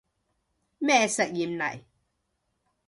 咩實驗嚟